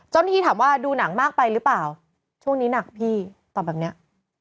ที่ถามว่าดูหนังมากไปหรือเปล่าช่วงนี้หนักพี่ตอบแบบเนี้ย